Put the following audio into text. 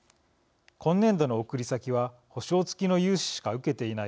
今年度の送り先は保証付きの融資しか受けていない